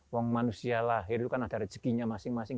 uang manusia lahir itu kan ada rezekinya masing masing